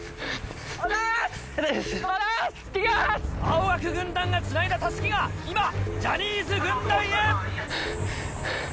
青学軍団がつないだ襷が今ジャニーズ軍団へ！